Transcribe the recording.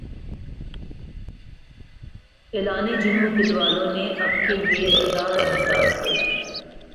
اعلان جنوں دل والوں نے اب کے بہ ہزار انداز کیا